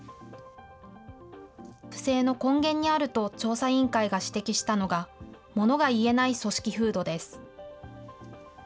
不正の根源にあると調査委員会が指摘したのが、ものが言えない組織風土です。